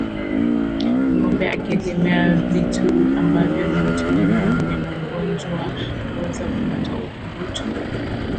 Ngombe akiegemea vitu ambavyo vimetumiwa na mnyama mgonjwa huweza kupata ukurutu